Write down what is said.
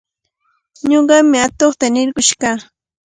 Ñuqami atuqta rirqush kaa.